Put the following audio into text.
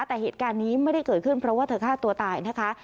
แต่เหตุการณ์นี้ไม่ได้เกิดขึ้นเพราะว่าเธอฆ่าตัวตายนะคะ